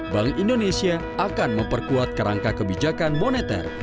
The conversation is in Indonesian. bank indonesia akan memperkuat kerangka kebijakan moneter